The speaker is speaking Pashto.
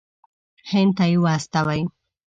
هند ته یې واستوي.